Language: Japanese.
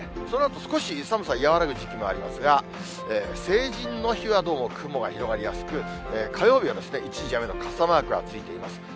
そのあと少し寒さ和らぐ時期もありますが、成人の日はどうも雲が広がりやすく、火曜日は一時雨の傘マークがついています。